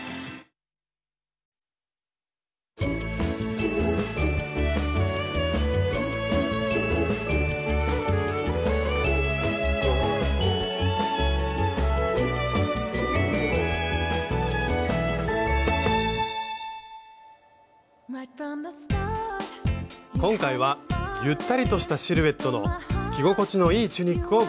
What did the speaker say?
今回はゆったりとしたシルエットの着心地のいいチュニックをご紹介します。